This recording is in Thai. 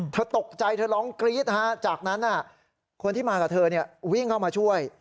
เธอตกใจเธอร้องกรี๊ดจากนั้นคนที่มากับเธอวิ่งเข้ามาช่วย